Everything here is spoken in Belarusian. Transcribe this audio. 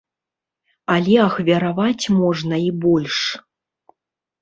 Але ахвяраваць можна і больш.